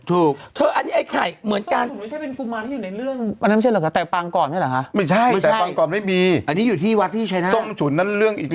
ถูกเธออันนี้ไอ้ไข่เหมือนกันไม่ใช่เป็นภูมิมาที่อยู่ในเรื่องอันนั้น